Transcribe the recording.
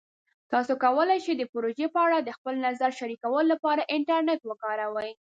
تاسو کولی شئ د پروژې په اړه د خپل نظر شریکولو لپاره انټرنیټ وکاروئ.